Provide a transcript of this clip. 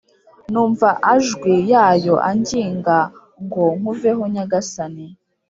Numva ajwi yayo anginga ngo nkuveho nyagasani